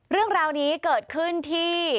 เรื่องราวนี้เกิดขึ้นที่